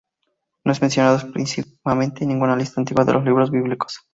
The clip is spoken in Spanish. No es mencionado explícitamente en ninguna lista antigua de los libros bíblicos.